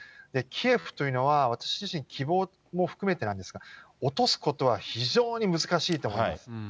キエフというのは、私自身、希望も含めてなんですが、落とすことは非常に難しいと思います。